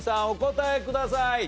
お答えください。